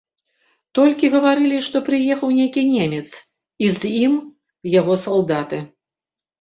Толькі гаварылі, што прыехаў нейкі немец і з ім яго салдаты.